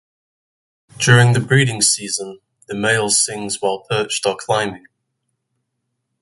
During the breeding season, the male sings while perched or climbing.